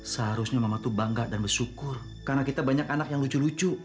seharusnya mama tuh bangga dan bersyukur karena kita banyak anak yang lucu lucu